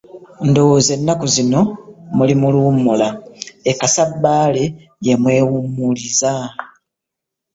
Ndowooza ennaku zino muli mu luwummula e Kaasabbaale gye mwewummuliza.